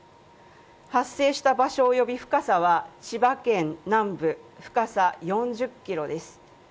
発生した場所及び深さは千葉県南部、深さ４０ｋｍです。